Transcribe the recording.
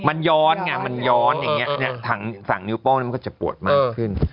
มันย้อนไงมันย้อนอย่างนี้ถังนิ้วโป้งมันก็จะปวดมากขึ้น